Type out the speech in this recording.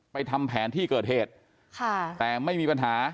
ทำแผนที่เกิดเหตุค่ะแต่ไม่มีปัญหา